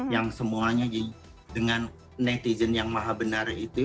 yang semuanya dengan netizen yang maha benar itu